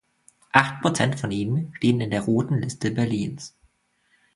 Acht Prozent von ihnen stehen in der Roten Liste Berlins.